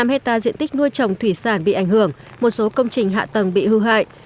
năm hectare diện tích nuôi trồng thủy sản bị ảnh hưởng một số công trình hạ tầng bị hư hại